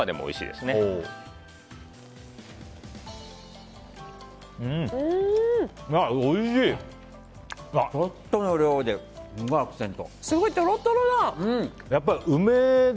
すごいとろとろだ。